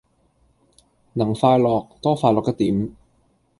能快樂，多快樂一點。